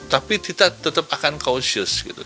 tapi kita tetap akan caucious gitu